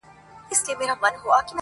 ستا پر سره ګلاب چي و غوړېږمه,